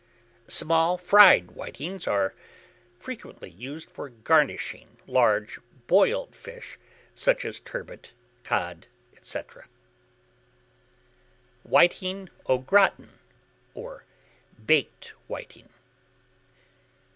Small fried whitings are frequently used for garnishing large boiled fish, such as turbot, cod, etc. WHITING AU GRATIN, or BAKED WHITING.